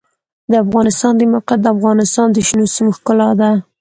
د افغانستان د موقعیت د افغانستان د شنو سیمو ښکلا ده.